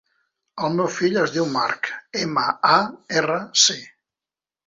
El meu fill es diu Marc: ema, a, erra, ce.